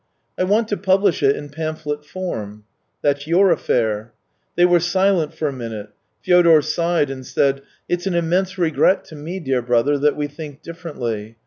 " I want to publish it in pamphlet form." " That's your affair." They were silent for a minute. Fyodor sighed and said: " It's an immense regret to me, dear brother, that we think differently.